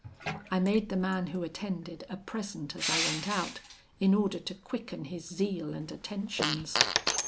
"I made the man who attended a present as I went out, in order to quicken his zeal and attentions.